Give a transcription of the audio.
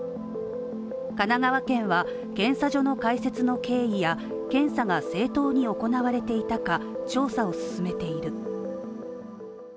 神奈川県は検査所の開設の経緯や検査が正当に行われていたか調査を進めている。